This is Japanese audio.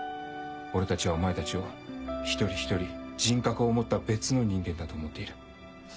俺たちはお前たちを一人一人人格を持った別の人間だと思っている。